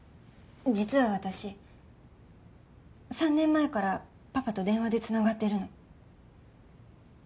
実は私３年前からパパと電話でつながってるの。